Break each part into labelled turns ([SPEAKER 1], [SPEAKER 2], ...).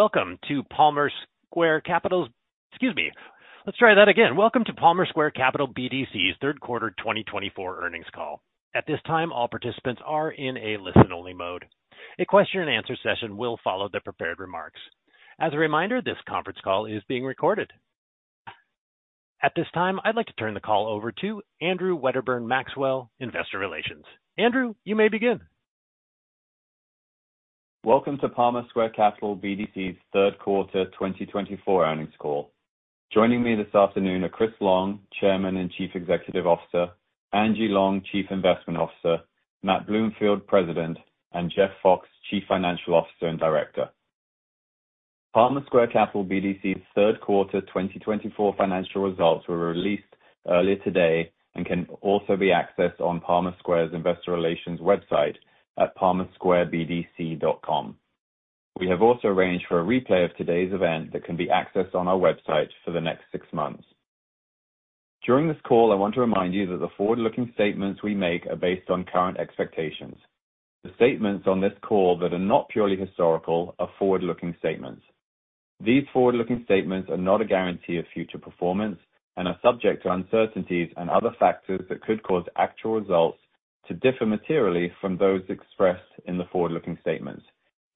[SPEAKER 1] Welcome to Palmer Square Capital BDC's third quarter 2024 earnings call. At this time, all participants are in a listen-only mode. A question-and-answer session will follow the prepared remarks. As a reminder, this conference call is being recorded. At this time, I'd like to turn the call over to Andrew Wedderburn-Maxwell, investor relations. Andrew, you may begin.
[SPEAKER 2] Welcome to Palmer Square Capital BDC's third quarter 2024 earnings call. Joining me this afternoon are Chris Long, Chairman and Chief Executive Officer, Angie Long, Chief Investment Officer, Matt Bloomfield, President, and Jeff Fox, Chief Financial Officer and Director. Palmer Square Capital BDC's third quarter 2024 financial results were released earlier today and can also be accessed on Palmer Square's investor relations website at palmersquarebdc.com. We have also arranged for a replay of today's event that can be accessed on our website for the next six months. During this call, I want to remind you that the forward-looking statements we make are based on current expectations. The statements on this call that are not purely historical are forward-looking statements. These forward-looking statements are not a guarantee of future performance and are subject to uncertainties and other factors that could cause actual results to differ materially from those expressed in the forward-looking statements,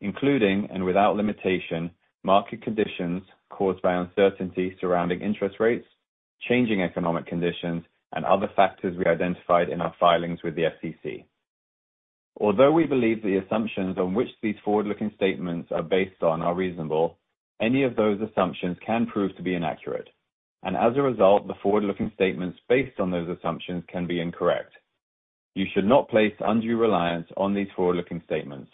[SPEAKER 2] including and without limitation, market conditions caused by uncertainty surrounding interest rates, changing economic conditions, and other factors we identified in our filings with the SEC. Although we believe the assumptions on which these forward-looking statements are based on are reasonable, any of those assumptions can prove to be inaccurate. As a result, the forward-looking statements based on those assumptions can be incorrect. You should not place undue reliance on these forward-looking statements.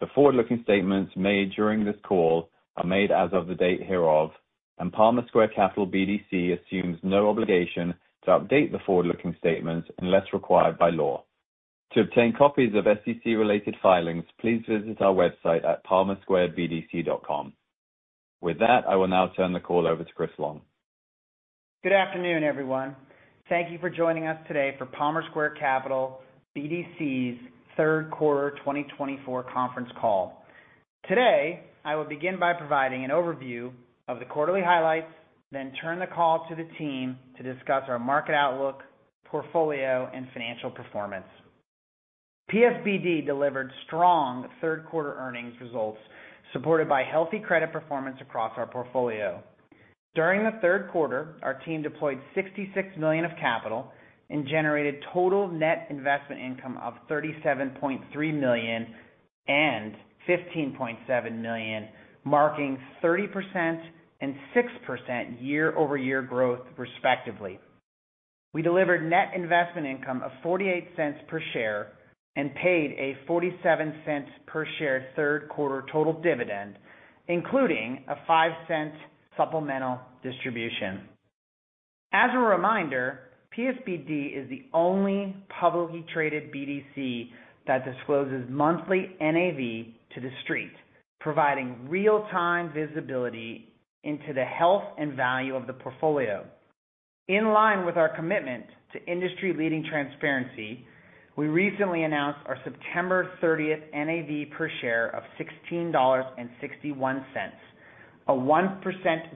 [SPEAKER 2] The forward-looking statements made during this call are made as of the date hereof, and Palmer Square Capital BDC assumes no obligation to update the forward-looking statements unless required by law. To obtain copies of SEC-related filings, please visit our website at palmersquarebdc.com. With that, I will now turn the call over to Chris Long.
[SPEAKER 3] Good afternoon, everyone. Thank you for joining us today for Palmer Square Capital BDC's third quarter 2024 conference call. Today, I will begin by providing an overview of the quarterly highlights, then turn the call to the team to discuss our market outlook, portfolio, and financial performance. PSBD delivered strong third-quarter earnings results supported by healthy credit performance across our portfolio. During the third quarter, our team deployed $66 million of capital and generated [total net investment income of $37.3 million and $15.7 million, marking 30% and 6% year-over-year growth, respectively. We delivered net investment income of $0.48 per share and paid a $0.47 per share third quarter total dividend, including a $0.05 supplemental distribution. As a reminder, PSBD is the only publicly traded BDC that discloses monthly NAV to the street, providing real-time visibility into the health and value of the portfolio. In line with our commitment to industry-leading transparency, we recently announced our September 30th NAV per share of $16.61, a 1%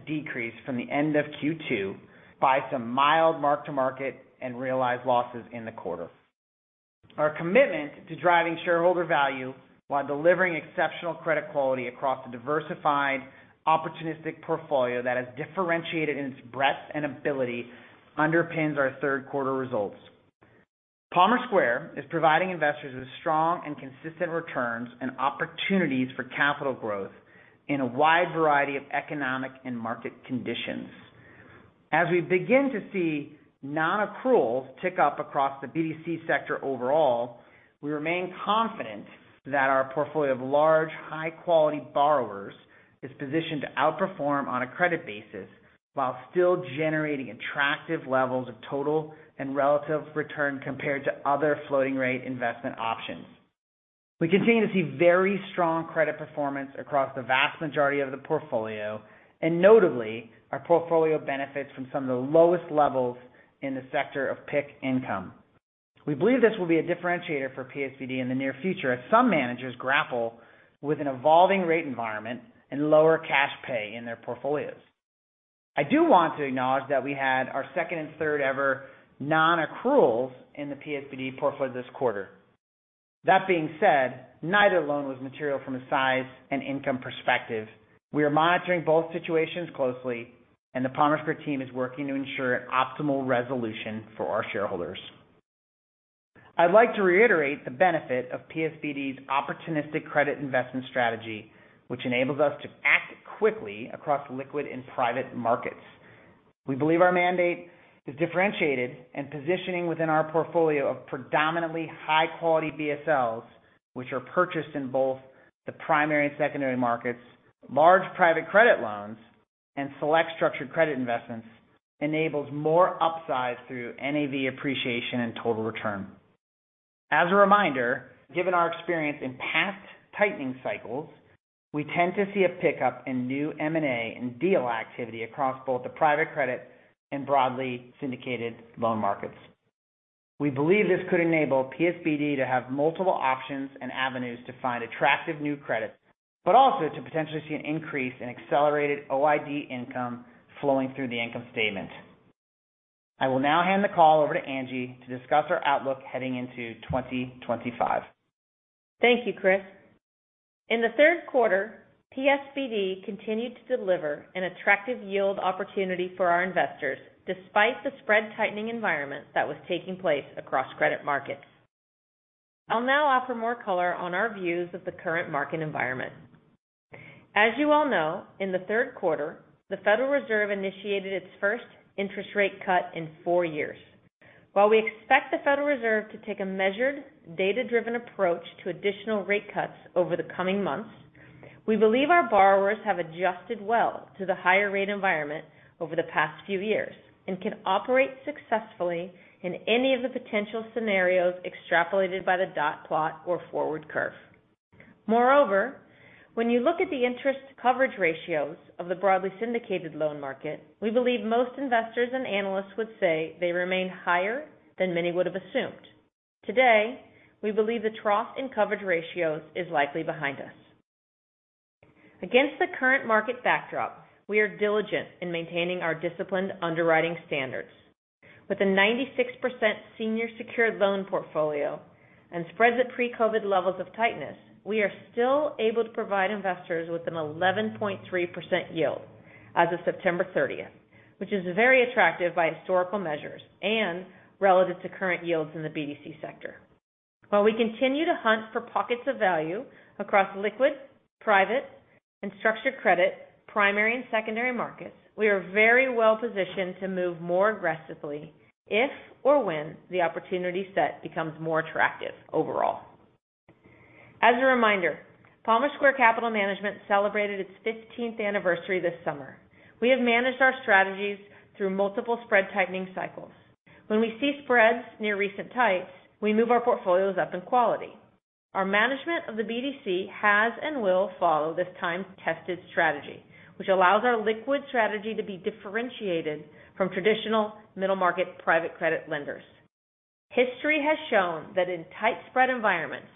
[SPEAKER 3] decrease from the end of Q2 by some mild mark-to-market and realized losses in the quarter. Our commitment to driving shareholder value while delivering exceptional credit quality across a diversified opportunistic portfolio that is differentiated in its breadth and ability underpins our third quarter results. Palmer Square is providing investors with strong and consistent returns and opportunities for capital growth in a wide variety of economic and market conditions. As we begin to see non-accruals tick up across the BDC sector overall, we remain confident that our portfolio of large, high-quality borrowers is positioned to outperform on a credit basis while still generating attractive levels of total and relative return compared to other floating rate investment options. We continue to see very strong credit performance across the vast majority of the portfolio, and notably, our portfolio benefits from some of the lowest levels in the sector of PIK income. We believe this will be a differentiator for PSBD in the near future as some managers grapple with an evolving rate environment and lower cash pay in their portfolios. I do want to acknowledge that we had our second and third ever non-accruals in the PSBD portfolio this quarter. That being said, neither loan was material from a size and income perspective. We are monitoring both situations closely, and the Palmer Square team is working to ensure optimal resolution for our shareholders. I'd like to reiterate the benefit of PSBD's opportunistic credit investment strategy, which enables us to act quickly across liquid and private markets. We believe our mandate is differentiated and positioning within our portfolio of predominantly high-quality BSLs, which are purchased in both the primary and secondary markets, large private credit loans, and select structured credit investments enables more upside through NAV appreciation and total return. As a reminder, given our experience in past tightening cycles, we tend to see a pickup in new M&A and deal activity across both the private credit and broadly syndicated loan markets. We believe this could enable PSBD to have multiple options and avenues to find attractive new credits, but also to potentially see an increase in accelerated OID income flowing through the income statement. I will now hand the call over to Angie to discuss our outlook heading into 2025.
[SPEAKER 4] Thank you, Chris. In the third quarter, PSBD continued to deliver an attractive yield opportunity for our investors, despite the spread tightening environment that was taking place across credit markets. I'll now offer more color on our views of the current market environment. As you all know, in the third quarter, the Federal Reserve initiated its first interest rate cut in four years. While we expect the Federal Reserve to take a measured, data-driven approach to additional rate cuts over the coming months, we believe our borrowers have adjusted well to the higher rate environment over the past few years and can operate successfully in any of the potential scenarios extrapolated by the dot plot or forward curve. Moreover, when you look at the interest coverage ratios of the broadly syndicated loan market, we believe most investors and analysts would say they remain higher than many would have assumed. Today, we believe the trough in coverage ratios is likely behind us. Against the current market backdrop, we are diligent in maintaining our disciplined underwriting standards. With a 96% senior secured loan portfolio and spreads at pre-COVID levels of tightness, we are still able to provide investors with an 11.3% yield as of September 30th, which is very attractive by historical measures and relative to current yields in the BDC sector. While we continue to hunt for pockets of value across liquid, private, and structured credit, primary and secondary markets, we are very well positioned to move more aggressively if or when the opportunity set becomes more attractive overall. As a reminder, Palmer Square Capital Management celebrated its 15th anniversary this summer. We have managed our strategies through multiple spread tightening cycles. When we see spreads near recent tights, we move our portfolios up in quality. Our management of the BDC has and will follow this time-tested strategy, which allows our liquid strategy to be differentiated from traditional middle-market private credit lenders. History has shown that in tight spread environments,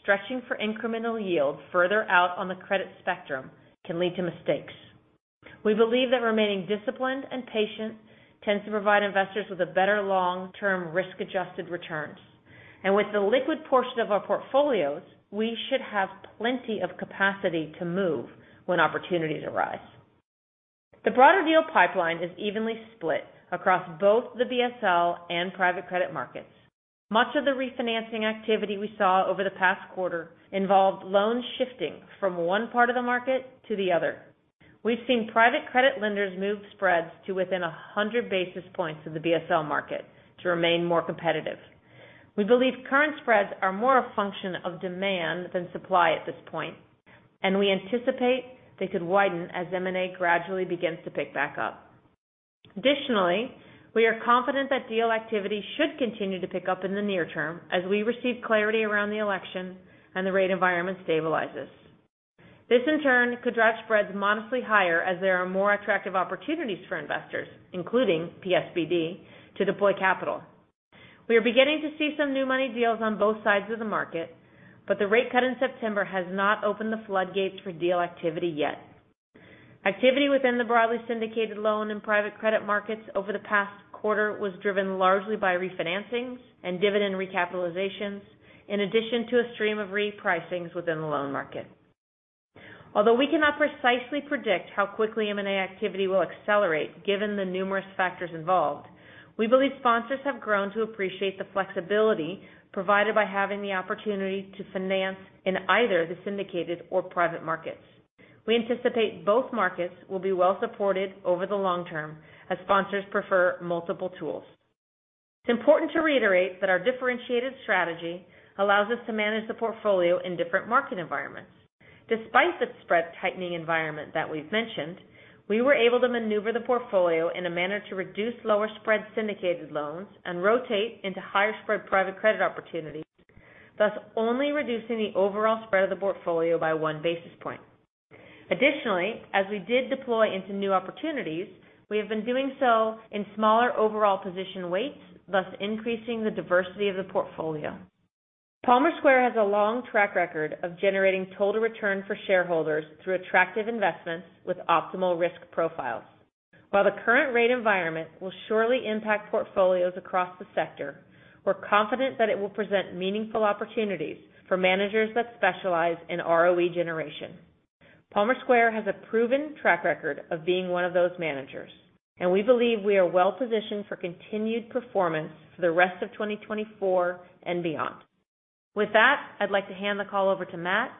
[SPEAKER 4] stretching for incremental yield further out on the credit spectrum can lead to mistakes. We believe that remaining disciplined and patient tends to provide investors with a better long-term risk-adjusted returns. With the liquid portion of our portfolios, we should have plenty of capacity to move when opportunities arise. The broader deal pipeline is evenly split across both the BSL and private credit markets. Much of the refinancing activity we saw over the past quarter involved loans shifting from one part of the market to the other. We've seen private credit lenders move spreads to within 100 basis points of the BSL market to remain more competitive. We believe current spreads are more a function of demand than supply at this point. We anticipate they could widen as M&A gradually begins to pick back up. Additionally, we are confident that deal activity should continue to pick up in the near term as we receive clarity around the election and the rate environment stabilizes. This, in turn, could drive spreads modestly higher as there are more attractive opportunities for investors, including PSBD, to deploy capital. We are beginning to see some new money deals on both sides of the market, the rate cut in September has not opened the floodgates for deal activity yet. Activity within the broadly syndicated loan and private credit markets over the past quarter was driven largely by refinancings and dividend recapitalizations, in addition to a stream of repricings within the loan market. Although we cannot precisely predict how quickly M&A activity will accelerate given the numerous factors involved, we believe sponsors have grown to appreciate the flexibility provided by having the opportunity to finance in either the syndicated or private markets. We anticipate both markets will be well supported over the long term as sponsors prefer multiple tools. It's important to reiterate that our differentiated strategy allows us to manage the portfolio in different market environments. Despite the spread tightening environment that we've mentioned, we were able to maneuver the portfolio in a manner to reduce lower spread syndicated loans and rotate into higher spread private credit opportunities, thus only reducing the overall spread of the portfolio by one basis point. Additionally, as we did deploy into new opportunities, we have been doing so in smaller overall position weights, thus increasing the diversity of the portfolio. Palmer Square has a long track record of generating total return for shareholders through attractive investments with optimal risk profiles. While the current rate environment will surely impact portfolios across the sector, we're confident that it will present meaningful opportunities for managers that specialize in ROE generation. Palmer Square has a proven track record of being one of those managers, and we believe we are well positioned for continued performance for the rest of 2024 and beyond. With that, I'd like to hand the call over to Matt,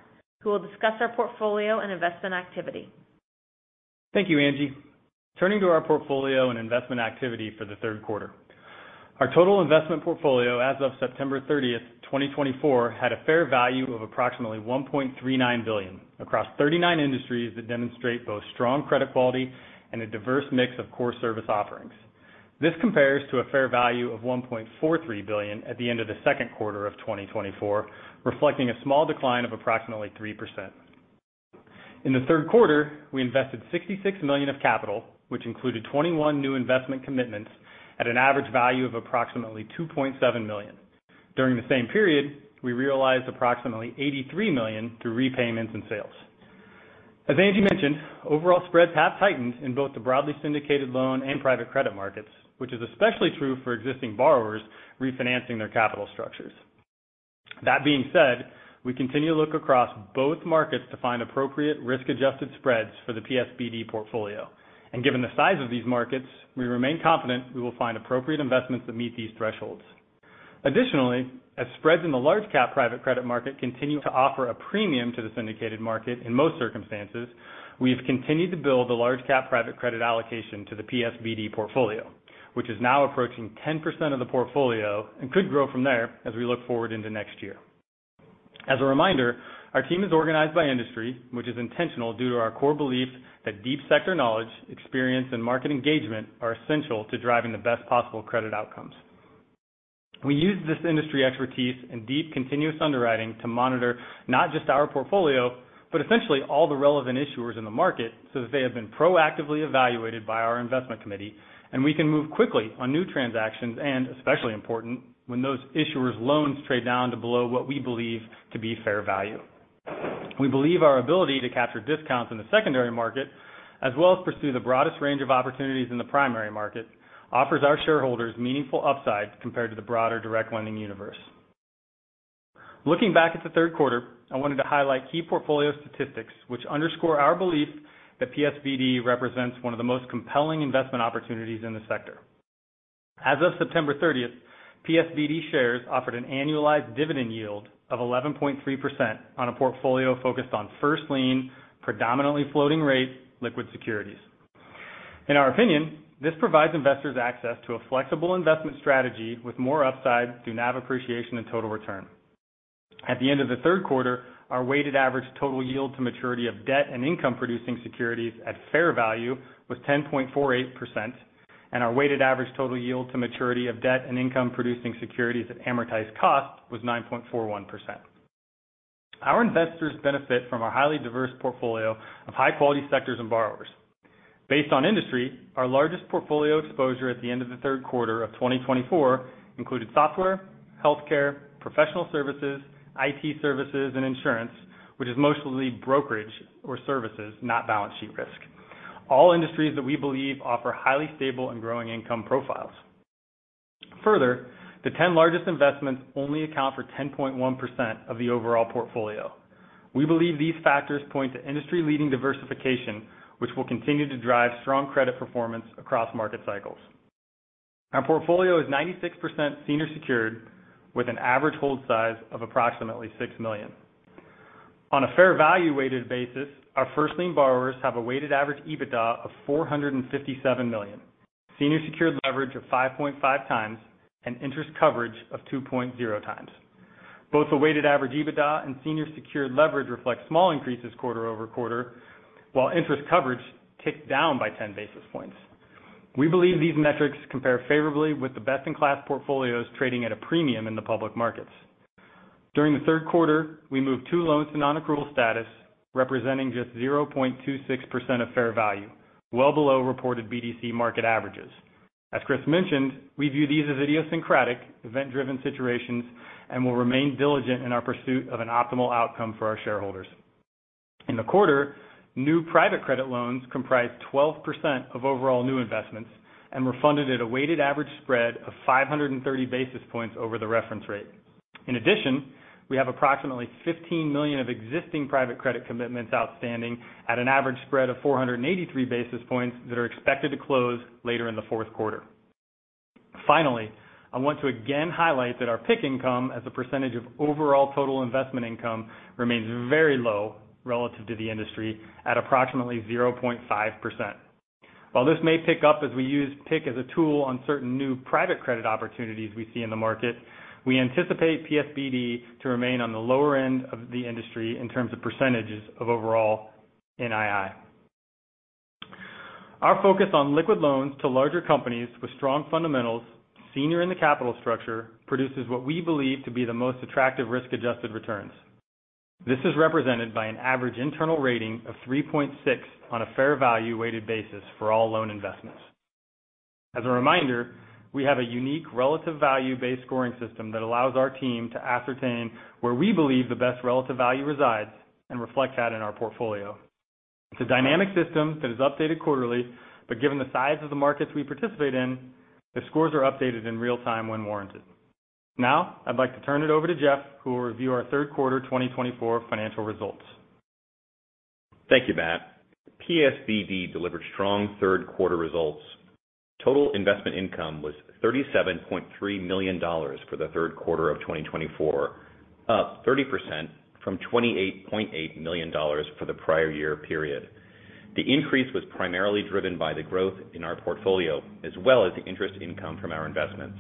[SPEAKER 4] who will discuss our portfolio and investment activity.
[SPEAKER 5] Thank you, Angie. Turning to our portfolio and investment activity for the third quarter. Our total investment portfolio as of September 30th, 2024, had a fair value of approximately $1.39 billion across 39 industries that demonstrate both strong credit quality and a diverse mix of core service offerings. This compares to a fair value of $1.43 billion at the end of the second quarter of 2024, reflecting a small decline of approximately 3%. In the third quarter, we invested $66 million of capital, which included 21 new investment commitments at an average value of approximately $2.7 million. During the same period, we realized approximately $83 million through repayments and sales. As Angie mentioned, overall spreads have tightened in both the broadly syndicated loan and private credit markets, which is especially true for existing borrowers refinancing their capital structures. That being said, we continue to look across both markets to find appropriate risk-adjusted spreads for the PSBD portfolio. Given the size of these markets, we remain confident we will find appropriate investments that meet these thresholds. Additionally, as spreads in the large cap private credit market continue to offer a premium to the syndicated market in most circumstances, we've continued to build a large cap private credit allocation to the PSBD portfolio, which is now approaching 10% of the portfolio and could grow from there as we look forward into next year. As a reminder, our team is organized by industry, which is intentional due to our core belief that deep sector knowledge, experience, and market engagement are essential to driving the best possible credit outcomes. We use this industry expertise and deep continuous underwriting to monitor not just our portfolio, but essentially all the relevant issuers in the market so that they have been proactively evaluated by our investment committee, and we can move quickly on new transactions and especially important when those issuers' loans trade down to below what we believe to be fair value. We believe our ability to capture discounts in the secondary market, as well as pursue the broadest range of opportunities in the primary market, offers our shareholders meaningful upsides compared to the broader direct lending universe. Looking back at the third quarter, I wanted to highlight key portfolio statistics which underscore our belief that PSBD represents one of the most compelling investment opportunities in the sector. As of September 30th, PSBD shares offered an annualized dividend yield of 11.3% on a portfolio focused on first-lien, predominantly floating rate liquid securities. In our opinion, this provides investors access to a flexible investment strategy with more upside through NAV appreciation and total return. At the end of the third quarter, our weighted average total yield to maturity of debt and income-producing securities at fair value was 10.48%, and our weighted average total yield to maturity of debt and income-producing securities at amortized cost was 9.41%. Our investors benefit from our highly diverse portfolio of high-quality sectors and borrowers. Based on industry, our largest portfolio exposure at the end of the third quarter of 2024 included software, healthcare, professional services, IT services, and insurance, which is mostly brokerage or services, not balance sheet risk. All industries that we believe offer highly stable and growing income profiles. Further, the 10 largest investments only account for 10.1% of the overall portfolio. We believe these factors point to industry-leading diversification, which will continue to drive strong credit performance across market cycles. Our portfolio is 96% senior secured with an average hold size of approximately $6 million. On a fair value weighted basis, our first lien borrowers have a weighted average EBITDA of $457 million, senior secured leverage of 5.5x, and interest coverage of 2.0x. Both the weighted average EBITDA and senior secured leverage reflect small increases quarter-over-quarter, while interest coverage ticked down by 10 basis points. We believe these metrics compare favorably with the best-in-class portfolios trading at a premium in the public markets. During the third quarter, we moved two loans to non-accrual status, representing just 0.26% of fair value, well below reported BDC market averages. As Chris mentioned, we view these as idiosyncratic, event-driven situations and will remain diligent in our pursuit of an optimal outcome for our shareholders. In the quarter, new private credit loans comprised 12% of overall new investments and were funded at a weighted average spread of 530 basis points over the reference rate. In addition, we have approximately $15 million of existing private credit commitments outstanding at an average spread of 483 basis points that are expected to close later in the fourth quarter. Finally, I want to again highlight that our PIK income as a percentage of overall total investment income remains very low relative to the industry at approximately 0.5%. While this may pick up as we use PIK as a tool on certain new private credit opportunities we see in the market, we anticipate PSBD to remain on the lower end of the industry in terms of percentages of overall NII. Our focus on liquid loans to larger companies with strong fundamentals, senior in the capital structure, produces what we believe to be the most attractive risk-adjusted returns. This is represented by an average internal rating of 3.6 on a fair value weighted basis for all loan investments. As a reminder, we have a unique relative value-based scoring system that allows our team to ascertain where we believe the best relative value resides and reflect that in our portfolio. It's a dynamic system that is updated quarterly, but given the size of the markets we participate in, the scores are updated in real time when warranted. I'd like to turn it over to Jeff, who will review our third quarter 2024 financial results.
[SPEAKER 6] Thank you, Matt. PSBD delivered strong third quarter results. Total investment income was $37.3 million for the third quarter of 2024, up 30% from $28.8 million for the prior year period. The increase was primarily driven by the growth in our portfolio, as well as the interest income from our investments.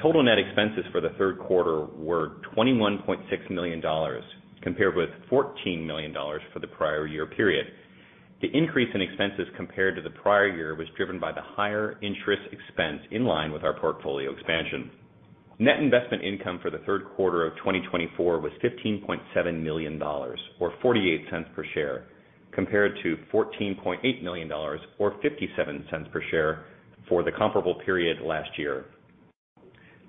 [SPEAKER 6] Total net expenses for the third quarter were $21.6 million, compared with $14 million for the prior year period. The increase in expenses compared to the prior year was driven by the higher interest expense in line with our portfolio expansion. Net investment income for the third quarter of 2024 was $15.7 million, or $0.48 per share, compared to $14.8 million or $0.57 per share for the comparable period last year.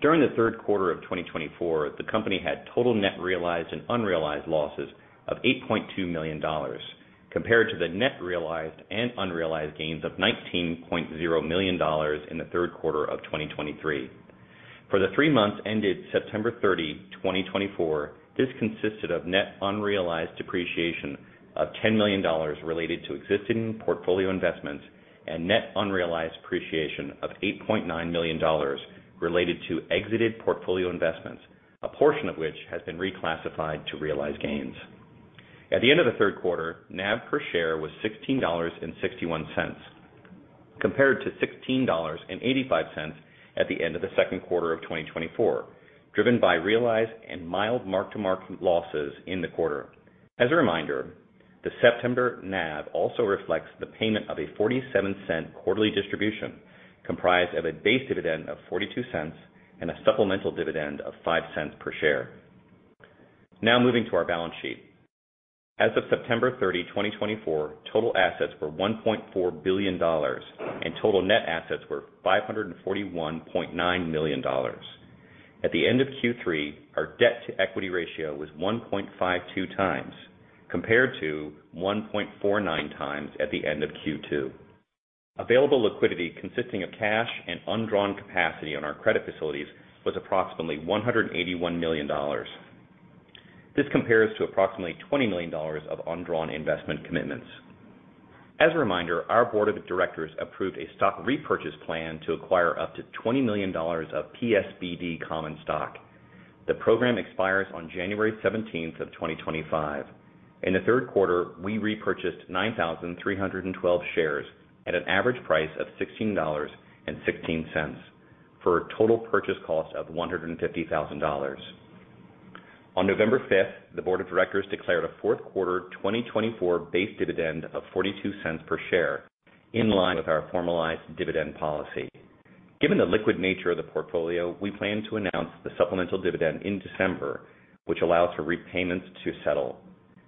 [SPEAKER 6] During the third quarter of 2024, the company had total net realized and unrealized losses of $8.2 million, compared to the net realized and unrealized gains of $19.0 million in the third quarter of 2023. For the three months ended September 30, 2024, this consisted of net unrealized depreciation of $10 million related to existing portfolio investments and net unrealized appreciation of $8.9 million related to exited portfolio investments, a portion of which has been reclassified to realized gains. At the end of the third quarter, NAV per share was $16.61, compared to $16.85 at the end of the second quarter of 2024, driven by realized and mild mark-to-market losses in the quarter. As a reminder, the September NAV also reflects the payment of a $0.47 quarterly distribution, comprised of a base dividend of $0.42 and a supplemental dividend of $0.05 per share. Now moving to our balance sheet. As of September 30, 2024, total assets were $1.4 billion, and total net assets were $541.9 million. At the end of Q3, our debt-to-equity ratio was 1.52 times, compared to 1.49 times at the end of Q2. Available liquidity, consisting of cash and undrawn capacity on our credit facilities, was approximately $181 million. This compares to approximately $20 million of undrawn investment commitments. As a reminder, our board of directors approved a stock repurchase plan to acquire up to $20 million of PSBD common stock. The program expires on January 17th of 2025. In the third quarter, we repurchased 9,312 shares at an average price of $16.16, for a total purchase cost of $150,000. On November 5th, the board of directors declared a fourth quarter 2024 base dividend of $0.42 per share, in line with our formalized dividend policy. Given the liquid nature of the portfolio, we plan to announce the supplemental dividend in December, which allows for repayments to settle.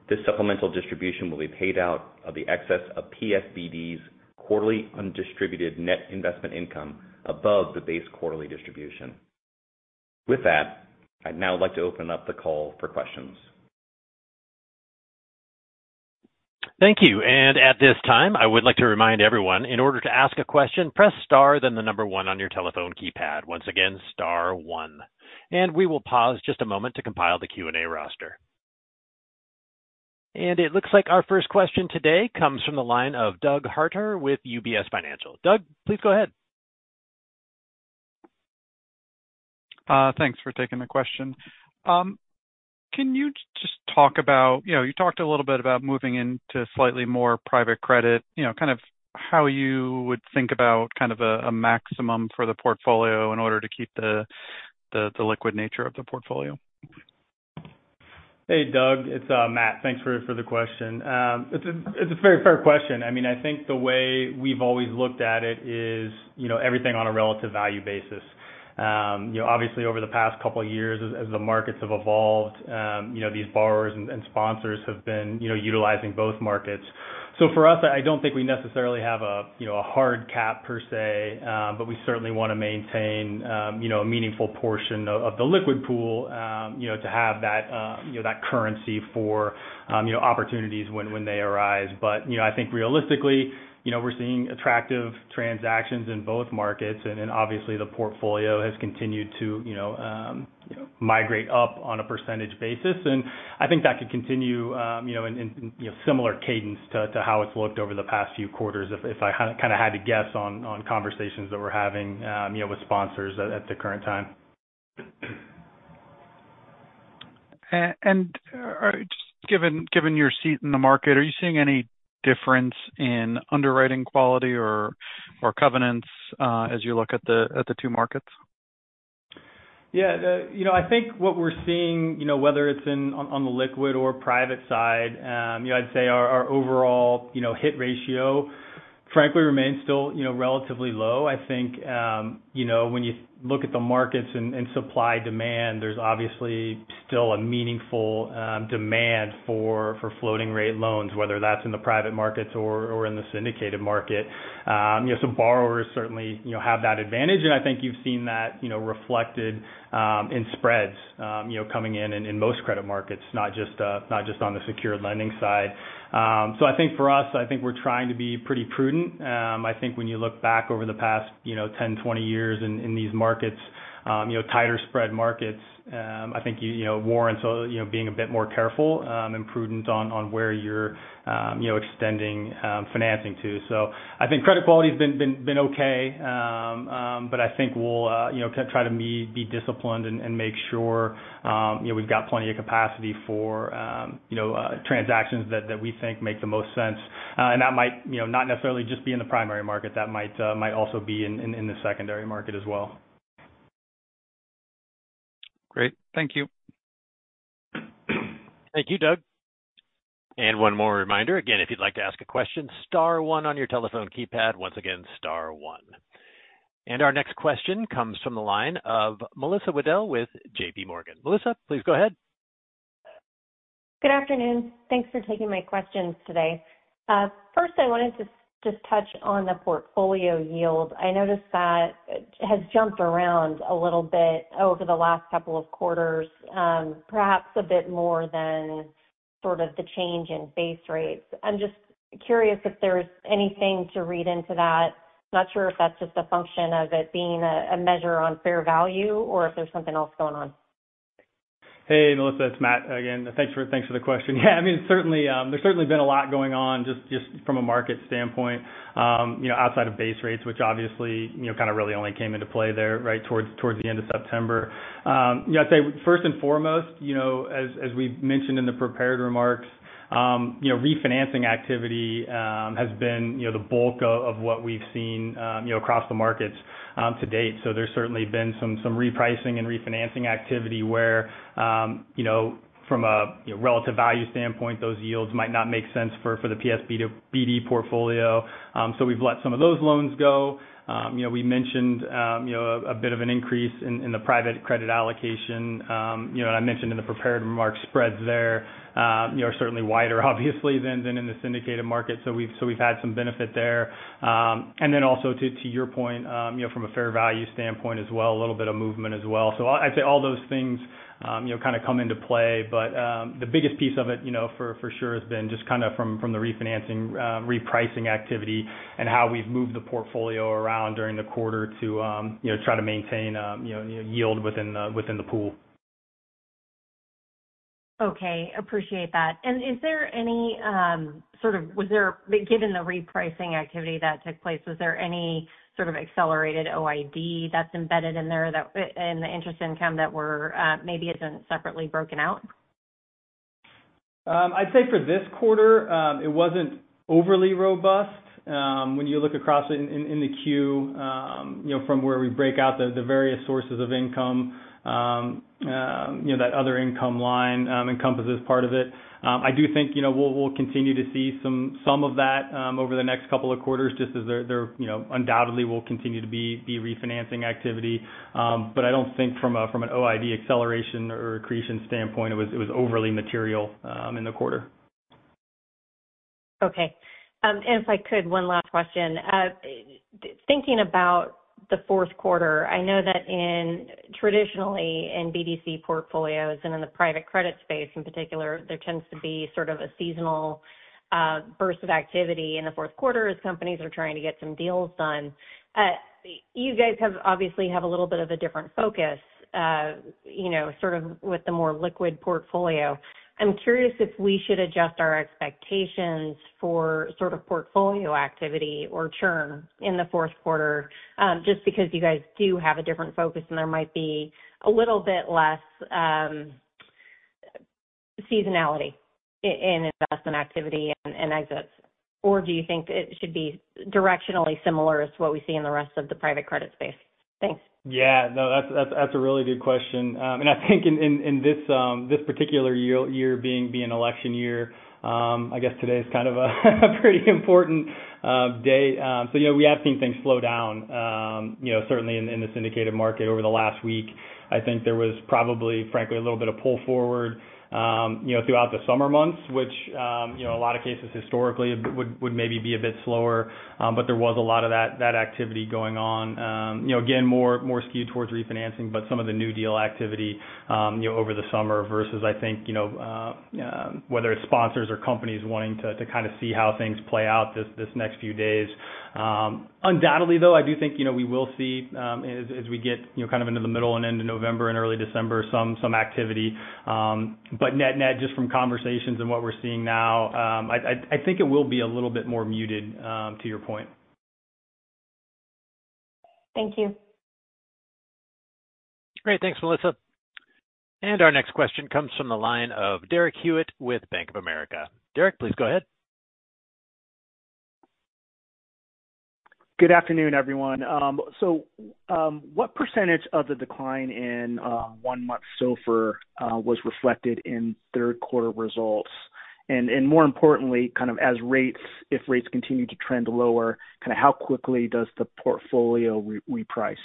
[SPEAKER 6] This supplemental distribution will be paid out of the excess of PSBD's quarterly undistributed net investment income above the base quarterly distribution. With that, I'd now like to open up the call for questions.
[SPEAKER 1] Thank you. At this time, I would like to remind everyone, in order to ask a question, press star, then the number 1 on your telephone keypad. Once again, star 1. We will pause just a moment to compile the Q&A roster. It looks like our first question today comes from the line of Doug Harter with UBS Financial. Doug, please go ahead.
[SPEAKER 7] Thanks for taking the question. You talked a little bit about moving into slightly more private credit. Kind of how you would think about a maximum for the portfolio in order to keep the liquid nature of the portfolio?
[SPEAKER 5] Hey, Doug, it's Matt. Thanks for the question. It's a very fair question. I think the way we've always looked at it is everything on a relative value basis. Obviously over the past couple of years as the markets have evolved, these borrowers and sponsors have been utilizing both markets. For us, I don't think we necessarily have a hard cap per se, but we certainly want to maintain a meaningful portion of the liquid pool to have that currency for opportunities when they arise. I think realistically, we're seeing attractive transactions in both markets, then obviously the portfolio has continued to migrate up on a percentage basis. I think that could continue in similar cadence to how it's looked over the past few quarters, if I had to guess on conversations that we're having with sponsors at the current time.
[SPEAKER 7] Just given your seat in the market, are you seeing any difference in underwriting quality or covenants as you look at the two markets?
[SPEAKER 5] Yeah. I think what we're seeing, whether it's on the liquid or private side, I'd say our overall hit ratio frankly remains still relatively low. I think when you look at the markets and supply-demand, there's obviously still a meaningful demand for floating rate loans, whether that's in the private markets or in the syndicated market. Borrowers certainly have that advantage, and I think you've seen that reflected in spreads coming in most credit markets, not just on the secured lending side. I think for us, I think we're trying to be pretty prudent. I think when you look back over the past 10, 20 years in these markets, tighter spread markets, I think warrants being a bit more careful and prudent on where you're extending financing to. I think credit quality's been okay, but I think we'll try to be disciplined and make sure we've got plenty of capacity for transactions that we think make the most sense. That might not necessarily just be in the primary market. That might also be in the secondary market as well.
[SPEAKER 7] Great. Thank you.
[SPEAKER 1] Thank you, Doug. One more reminder, again, if you'd like to ask a question, star one on your telephone keypad. Once again, star one. Our next question comes from the line of Melissa Weddle with JPMorgan. Melissa, please go ahead.
[SPEAKER 8] Good afternoon. Thanks for taking my questions today. First, I wanted to just touch on the portfolio yield. I noticed that has jumped around a little bit over the last couple of quarters, perhaps a bit more than the change in base rates. I'm just curious if there's anything to read into that. Not sure if that's just a function of it being a measure on fair value or if there's something else going on.
[SPEAKER 5] Hey, Melissa, it's Matt again. Thanks for the question. Yeah. There's certainly been a lot going on just from a market standpoint outside of base rates, which obviously, really only came into play there right towards the end of September. I'd say first and foremost, as we mentioned in the prepared remarks, refinancing activity has been the bulk of what we've seen across the markets to date. There's certainly been some repricing and refinancing activity where from a relative value standpoint, those yields might not make sense for the PSBD portfolio. We've let some of those loans go. We mentioned a bit of an increase in the private credit allocation. I mentioned in the prepared remarks spreads there are certainly wider obviously than in the syndicated market. We've had some benefit there. Also to your point, from a fair value standpoint as well, a little bit of movement as well. I'd say all those things come into play. The biggest piece of it for sure has been just from the refinancing, repricing activity and how we've moved the portfolio around during the quarter to try to maintain yield within the pool.
[SPEAKER 8] Okay. Appreciate that. Given the repricing activity that took place, was there any sort of accelerated OID that's embedded in there in the interest income that maybe isn't separately broken out?
[SPEAKER 5] I'd say for this quarter, it wasn't overly robust. When you look across in the Q, from where we break out the various sources of income, that other income line encompasses part of it. I do think we'll continue to see some of that over the next couple of quarters, just as there undoubtedly will continue to be refinancing activity. I don't think from an OID acceleration or accretion standpoint, it was overly material in the quarter.
[SPEAKER 8] Okay. If I could, one last question. Thinking about the fourth quarter, I know that traditionally in BDC portfolios and in the private credit space in particular, there tends to be sort of a seasonal burst of activity in the fourth quarter as companies are trying to get some deals done. You guys obviously have a little bit of a different focus with the more liquid portfolio. I'm curious if we should adjust our expectations for portfolio activity or churn in the fourth quarter, just because you guys do have a different focus and there might be a little bit less seasonality in investment activity and exits. Do you think it should be directionally similar as to what we see in the rest of the private credit space? Thanks.
[SPEAKER 5] Yeah. No, that's a really good question. I think in this particular year being an election year, I guess today is kind of a pretty important day. Yeah, we have seen things slow down certainly in the syndicated market over the last week. I think there was probably, frankly, a little bit of pull forward throughout the summer months, which a lot of cases historically would maybe be a bit slower. There was a lot of that activity going on. Again, more skewed towards refinancing, but some of the new deal activity over the summer versus I think whether it's sponsors or companies wanting to see how things play out this next few days. Undoubtedly, though, I do think, we will see as we get into the middle and end of November and early December some activity. Net, just from conversations and what we're seeing now, I think it will be a little bit more muted to your point.
[SPEAKER 8] Thank you.
[SPEAKER 1] Great. Thanks, Melissa. Our next question comes from the line of Derek Hewett with Bank of America. Derek, please go ahead.
[SPEAKER 9] Good afternoon, everyone. What percentage of the decline in one month SOFR was reflected in third quarter results? More importantly, if rates continue to trend lower, how quickly does the portfolio reprice?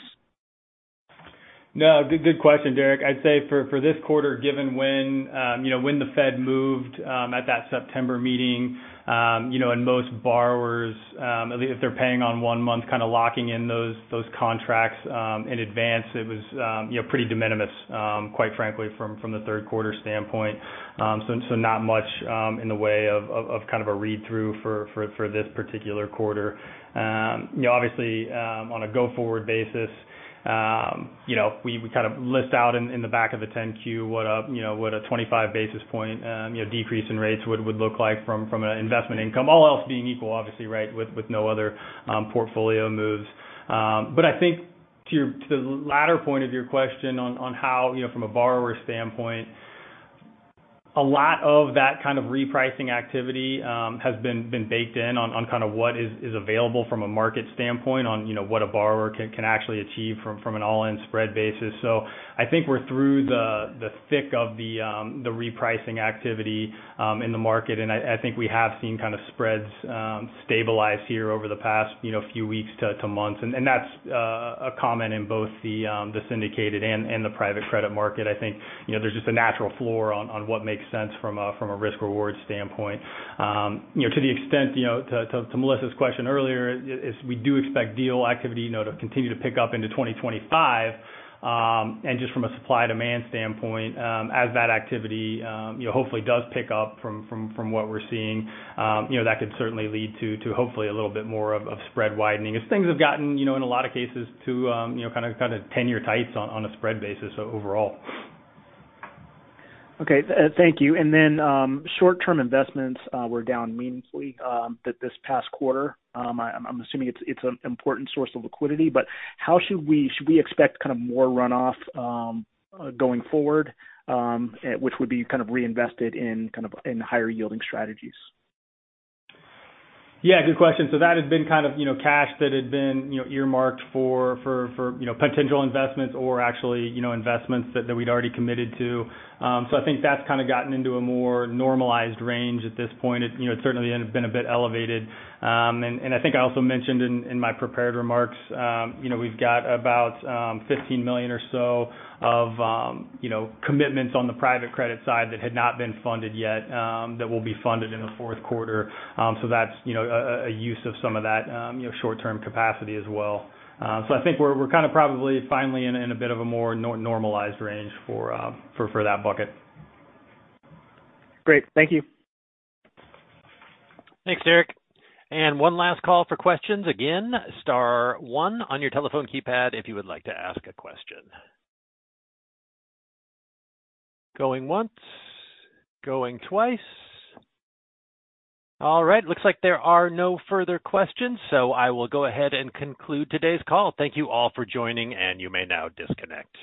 [SPEAKER 5] No, good question, Derek. I'd say for this quarter, given when the Fed moved at that September meeting, and most borrowers if they're paying on one month, locking in those contracts in advance, it was pretty de minimis, quite frankly, from the third quarter standpoint. Not much in the way of a read-through for this particular quarter. Obviously, on a go-forward basis, we list out in the back of the 10-Q what a 25 basis point decrease in rates would look like from an investment income, all else being equal, obviously, with no other portfolio moves. I think to the latter point of your question on how from a borrower's standpoint, a lot of that kind of repricing activity has been baked in on what is available from a market standpoint on what a borrower can actually achieve from an all-in spread basis. I think we're through the thick of the repricing activity in the market, and I think we have seen spreads stabilize here over the past few weeks to months. That's a comment in both the syndicated and the private credit market. I think there's just a natural floor on what makes sense from a risk-reward standpoint. To the extent, to Melissa's question earlier, is we do expect deal activity to continue to pick up into 2025. Just from a supply-demand standpoint, as that activity hopefully does pick up from what we're seeing, that could certainly lead to hopefully a little bit more of spread widening, as things have gotten, in a lot of cases, to kind of ten-year tights on a spread basis overall.
[SPEAKER 9] Okay. Thank you. Short-term investments were down meaningfully this past quarter. I'm assuming it's an important source of liquidity, should we expect more runoff going forward, which would be reinvested in higher-yielding strategies?
[SPEAKER 5] Yeah, good question. That has been cash that had been earmarked for potential investments or actually investments that we'd already committed to. I think that's gotten into a more normalized range at this point. It certainly has been a bit elevated. I think I also mentioned in my prepared remarks, we've got about $15 million or so of commitments on the private credit side that had not been funded yet that will be funded in the fourth quarter. That's a use of some of that short-term capacity as well. I think we're probably finally in a bit of a more normalized range for that bucket.
[SPEAKER 9] Great. Thank you.
[SPEAKER 1] Thanks, Derek. One last call for questions. Again, star one on your telephone keypad if you would like to ask a question. Going once, going twice. All right. Looks like there are no further questions. I will go ahead and conclude today's call. Thank you all for joining, and you may now disconnect.